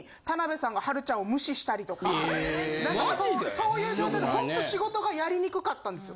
そういう状態でほんと仕事がやりにくかったんですよ。